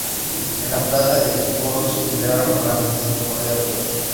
En la plaza de toros se celebran normalmente dos corridas de toros.